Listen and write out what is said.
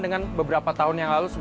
dengan beberapa tahun yang lalu